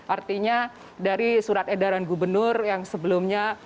artinya dari surat edaran gubernur yang sebelumnya